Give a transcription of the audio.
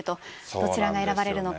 どちらが選ばれるのか。